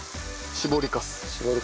搾りかす。